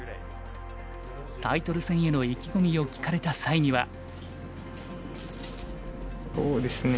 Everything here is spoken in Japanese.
タイトル戦への意気込みを聞かれた際には。